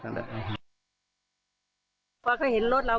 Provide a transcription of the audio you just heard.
พอเขาเห็นรถเรา